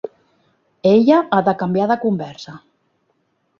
Ella ha de canviar de conversa.